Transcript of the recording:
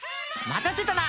待たせたな！